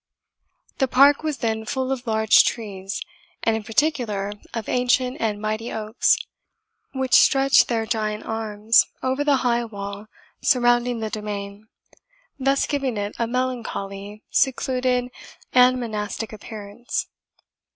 The park was then full of large trees, and in particular of ancient and mighty oaks, which stretched their giant arms over the high wall surrounding the demesne, thus giving it a melancholy, secluded, and monastic appearance.